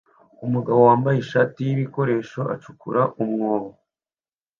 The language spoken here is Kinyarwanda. Umugabo wambaye ishati y'ibikoresho acukura umwobo